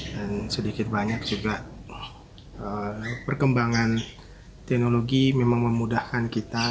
dan sedikit banyak juga perkembangan teknologi memang memudahkan kita